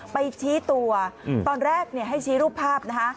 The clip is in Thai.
ไปชี้ตัวตอนแรกให้ชี้รูปภาพนะคะ